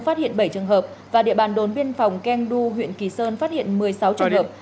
phát hiện bảy trường hợp và địa bàn đồn biên phòng keng du huyện kỳ sơn phát hiện một mươi sáu trường hợp